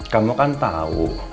kamu kan tau